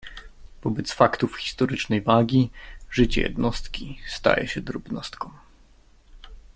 "Wobec faktów historycznej wagi życie jednostki staje się drobnostką."